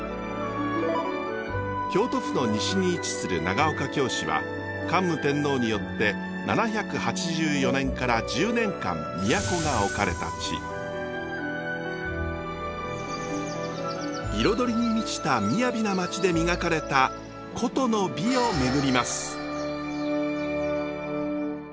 京都府の西に位置する長岡京市は桓武天皇によって７８４年から１０年間彩りに満ちた雅な町で磨かれた古都の美を巡ります。